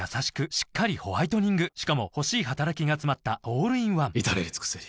しっかりホワイトニングしかも欲しい働きがつまったオールインワン至れり尽せり